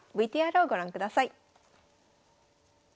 ＶＴＲをご覧ください。